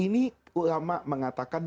ini ulama mengatakan